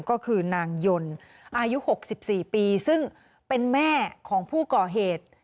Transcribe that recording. ก็คือนางยนต์อายุ๖๔ปีซึ่งเป็นแม่ของผู้ก่อเหตุ